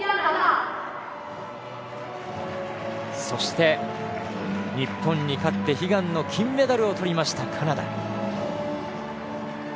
そして、日本に勝って悲願の金メダルをとったカナダ。